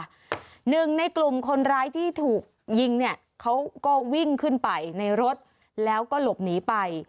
หนึ่งในกลุ่มคนร้ายที่ถูกยิงเนี่ยเขาก็วิ่งขึ้นไปในรถแล้วก็หลบหนีไป